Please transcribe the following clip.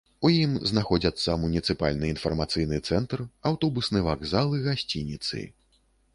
У ім знаходзяцца муніцыпальны інфармацыйны цэнтр, аўтобусны вакзал і гасцініцы.